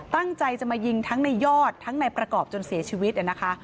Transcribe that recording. ตั้งใจจะมายิงทั้งในยอดทั้งในประกอบจนเสียชีวิตนะคะ